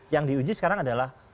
yang diuji sekarang adalah